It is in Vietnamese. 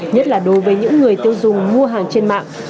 nhất là đối với những người tiêu dùng mua hàng trên mạng